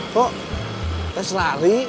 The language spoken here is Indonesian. kok tes lari